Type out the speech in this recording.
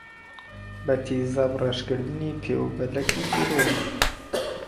بە تیزابڕێژکردنی پێ و بەلەکی پیرۆزی